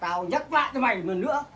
tao nhắc lại cho mày một lần nữa